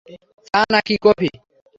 চা, না কফি?